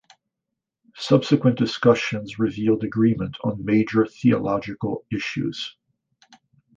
Subsequent discussions revealed agreement on major theological issues.